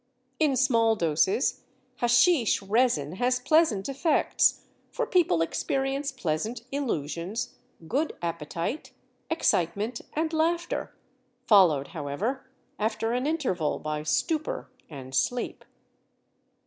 In small doses haschisch (resin) has pleasant effects, for people experience pleasant illusions, good appetite, excitement, and laughter, followed, however, after an interval by stupor and sleep.